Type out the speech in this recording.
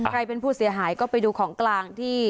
ใครเป็นผู้เสียหายก็ไปดูของกลางที่